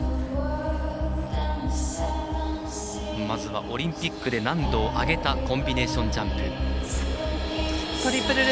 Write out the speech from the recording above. まずはオリンピックで難度を上げたコンビネーションジャンプ。